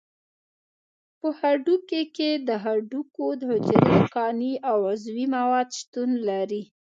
په هډوکي کې د هډوکو حجرې، کاني او عضوي مواد شتون لري.